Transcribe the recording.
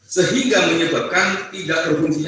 sehingga menyebabkan tidak berfungsi